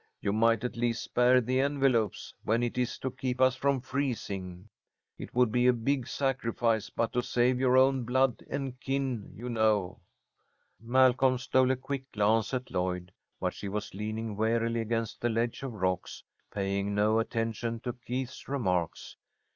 "You might at least spare the envelopes when it's to keep us from freezing. It would be a big sacrifice, but to save your own blood and kin, you know " Malcolm stole a quick glance at Lloyd, but she was leaning wearily against the ledge of rocks, paying no attention to Keith's remarks.